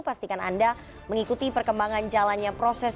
pastikan anda mengikuti perkembangan jalannya proses